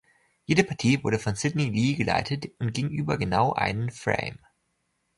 Jede Partie wurde von Sydney Lee geleitet und ging über genau einen Frame.